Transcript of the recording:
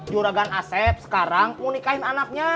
juragan asep sekarang mau nikahin anaknya